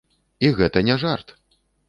І гэта не жарт!